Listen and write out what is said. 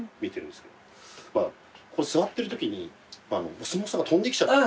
座ってるときにお相撲さんが飛んできちゃって。